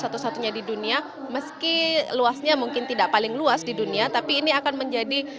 satu satunya di dunia meski luasnya mungkin tidak paling luas di dunia tapi ini akan menjadi